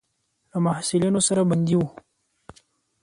له محصلینو سره بندي وو.